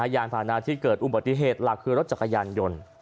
ยานผ่านะที่เกิดอุบัติเหตุหลักคือรถจักรยานยนต์